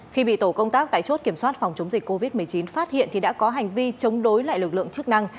khi bị tổ công tác tại chốt kiểm soát phòng chống dịch covid một mươi chín phát hiện thì đã có hành vi chống đối lại lực lượng chức năng